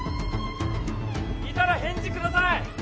いたら返事ください